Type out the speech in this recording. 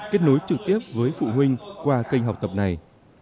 kết nối trực tiếp với phụ huynh qua kênh học tập này